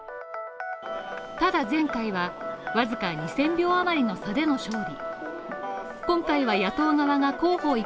ただ前回はわずか２０００票あまりの差での勝利。